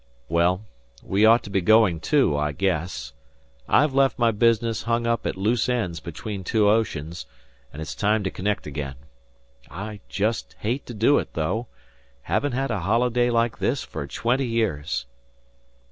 "Well, we ought to be going, too, I guess. I've left my business hung up at loose ends between two oceans, and it's time to connect again. I just hate to do it, though; haven't had a holiday like this for twenty years."